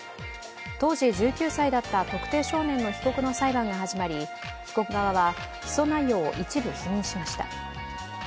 当時１９歳だった特定少年の被告の裁判が始まり被告側は起訴内容を一部否認しました。